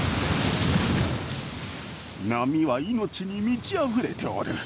波は命に満ちあふれておる。